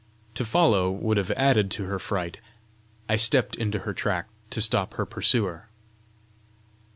To follow would have added to her fright: I stepped into her track to stop her pursuer.